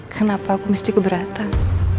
kenapa aku mesti keberatan